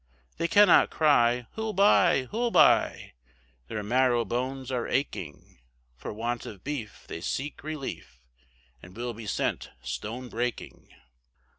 They cannot cry, who'll buy! who'll buy! Their marrow bones are aching, For want of beef they seek relief, And will be sent stone breaking.